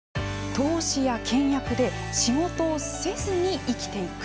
投資や倹約で仕事をせずに生きていく。